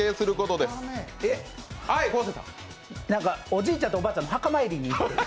おじいちゃんとおばあちゃんの墓参りに行った？